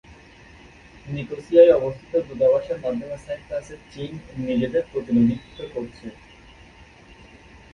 নিকোসিয়ায় অবস্থিত দূতাবাসের মাধ্যমে সাইপ্রাসে চীন নিজেদের প্রতিনিধিত্ব করছে।